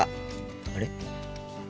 あれ？